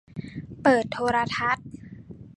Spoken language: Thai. เปิดโทรทัศน์